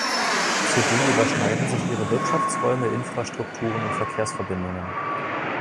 Zudem überschneiden sich ihre Wirtschaftsräume, Infrastrukturen und Verkehrsverbindungen.